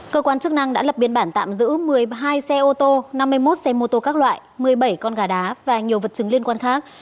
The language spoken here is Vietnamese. cơ quan chức năng đã lập biên bản tạm giữ một mươi hai xe ô tô năm mươi một xe mô tô các loại một mươi bảy con gà đá và nhiều vật chứng liên quan khác